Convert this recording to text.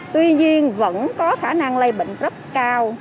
tuy nhiên vẫn có khả năng lây bệnh rất cao